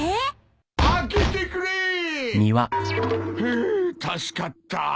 ふぅ助かった。